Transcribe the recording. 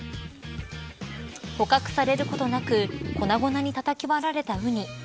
捕獲されることなく粉々にたたき割られたウニ。